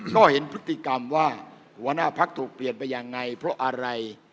ก็เห็นพฤติกรรมว่าหัวหน้าพักถูกเปลี่ยนไปยังไงเพราะอะไร